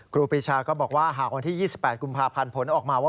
ครูปีชาก็บอกว่าหากวันที่๒๘กุมภาพันธ์ผลออกมาว่า